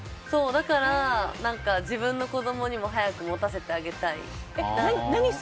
だから自分の子供にも早く持たせてあげたい。